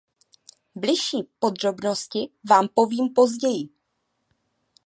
Bližší podrobnosti vám povím později.